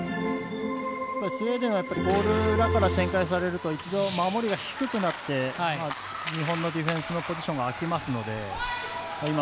スウェーデンもゴール裏から展開されると一度、守りが低くなって日本のディフェンスのポジションが空きますので。